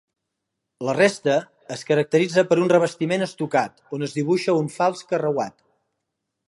La resta es caracteritza per un revestiment estucat on es dibuixa un fals carreuat.